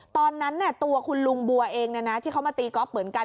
ตอนนั้นตัวคุณลุงบัวเองที่เขามาตีก๊อฟเหมือนกัน